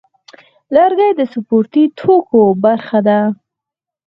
لرګی د سپورتي توکو برخه ده.